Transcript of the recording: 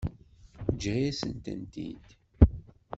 Teǧǧa-yasen-tent-id.